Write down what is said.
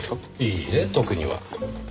いいえ特には。